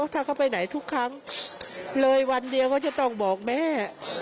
ถ้าเขาไปไหนทุกครั้งเลยวันเดียวเขาจะต้องบอกแม่